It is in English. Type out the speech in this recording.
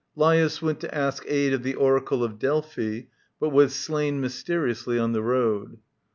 LAJfus went to ask aid of the oracle of Delphi, but was slain mysteriously on the road.